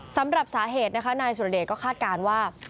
สำหรับสาเหตุนะคะนายสุรเดชก็คาดการณ์ว่า